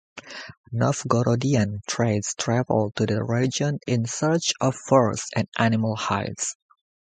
Novgorodian traders travelled to the region in search of furs and animal hides.